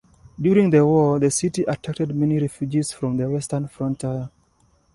During the war, the city attracted many refugees from the western frontier.